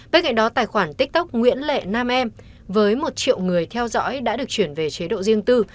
bên cạnh đó tài khoản tiktok nguyễn lệ nam em với một triệu người theo dõi đã được chuyển về chế độ riêng tư